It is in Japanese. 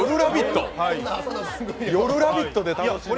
夜「ラヴィット！」で楽しんでる？